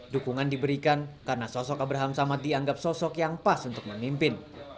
dukungan diberikan karena sosok abraham samad dianggap sosok yang pas untuk memimpin